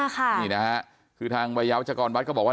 นี่นะฮะคือทางวัยยาวัชกรวัดก็บอกว่า